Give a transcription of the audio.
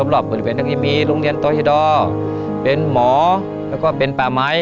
รอบบริเวณทางนี้มีโรงเรียนโตชดอร์เป็นหมอแล้วก็เป็นป่าไม้